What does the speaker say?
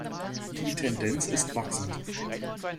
Die Tendenz ist wachsend.